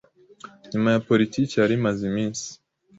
nyuma ya politiki yari imaze iminsi